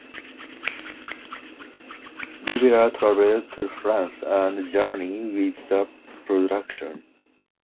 Rivera traveled to France and Germany with the production.